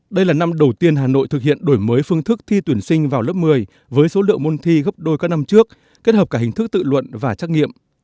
đây là năm đầu tiên hà nội thực hiện đổi mới phương thức thi tuyển sinh vào lớp một mươi với số lượng môn thi gấp đôi các năm trước kết hợp cả hình thức tự luận và trách nhiệm